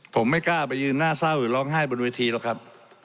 ผมไม่กล้าไปยืนหน้าเศร้าหรือร้องไห้บนเวทีหรอกครับ